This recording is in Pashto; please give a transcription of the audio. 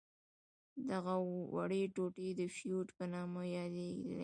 دغه وړې ټوټې د فیوډ په نامه یادیدلې.